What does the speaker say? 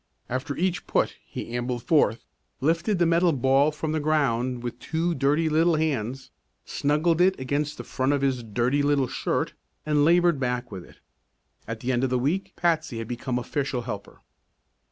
After each put he ambled forth, lifted the metal ball from the ground with two dirty little hands, snuggled it against the front of his dirty little shirt, and labored back with it. At the end of the week Patsy had become official helper.